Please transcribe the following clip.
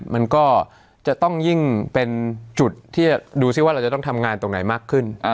มันก็จะต้องยิ่งเป็นจุดที่ดูซิว่าเราจะต้องทำงานตรงไหนมากขึ้น